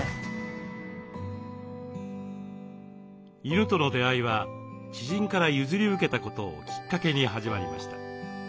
犬との出会いは知人から譲り受けたことをきっかけに始まりました。